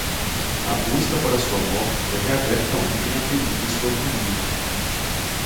A busca para sua morte foi reaberta ontem a pedido de sua família.